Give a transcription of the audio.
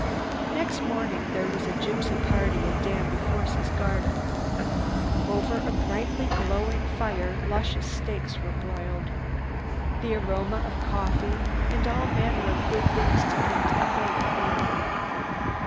Next morning there was a gypsy party in Danby Force's garden. Over a brightly glowing fire luscious steaks were broiling. The aroma of coffee and all manner of good things to eat filled the air.